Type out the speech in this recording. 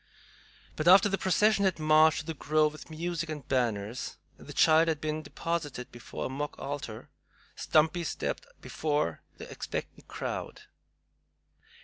But after the procession had marched to the grove with music and banners, and the child had been deposited before a mock altar, Stumpy stepped before the expectant crowd.